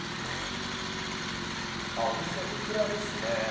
お店、こちらですね。